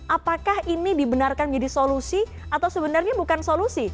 apakah ini dibenarkan menjadi solusi atau sebenarnya bukan solusi